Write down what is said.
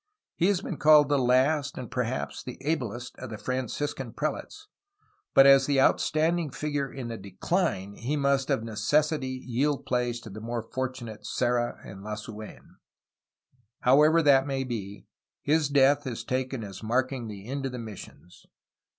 He has been called ^'the last and perhaps the ablest of the Franciscan prelates," but as the outstanding figure in a decline he must of necessity yield place to the more fortunate Serra and Lasuen. However that may be, his death is taken as mark ing the end of the missions.